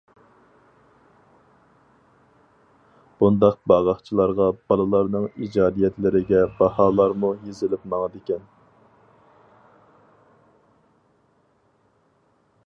بۇنداق باغاقچىلارغا بالىلارنىڭ ئىجادىيەتلىرىگە باھالارمۇ يېزىلىپ ماڭىدىكەن.